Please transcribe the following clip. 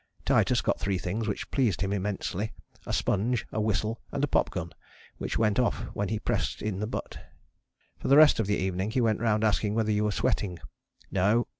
Titus got three things which pleased him immensely, a sponge, a whistle, and a pop gun which went off when he pressed in the butt. For the rest of the evening he went round asking whether you were sweating. "No."